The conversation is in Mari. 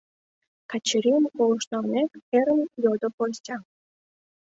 — Качырийым колышт налмек, ӧрын йодо Костя.